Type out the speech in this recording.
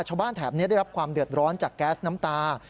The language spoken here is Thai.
แถบนี้ได้รับความเดือดร้อนจากแก๊สน้ำตา